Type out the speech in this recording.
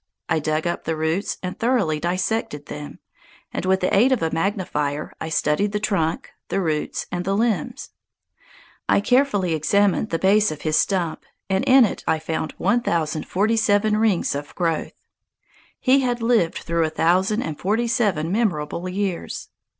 I dug up the roots and thoroughly dissected them, and with the aid of a magnifier I studied the trunk, the roots, and the limbs. I carefully examined the base of his stump, and in it I found 1047 rings of growth! He had lived through a thousand and forty seven memorable years.